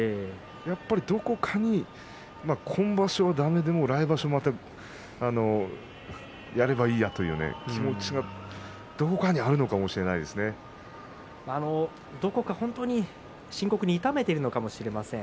やっぱりどこかに今場所だめでも来場所やればいいやという気持ちがどこかにあるのかもどこか深刻に痛めているのかもしれません。